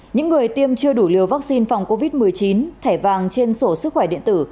những người tiêm chưa đủ liều vaccine phòng covid một mươi chín thẻ vàng trên sổ sức khỏe điện tử